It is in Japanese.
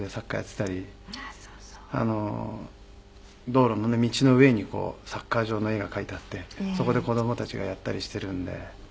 道路のね道の上にサッカー場の絵が描いてあってそこで子供たちがやったりしているんで。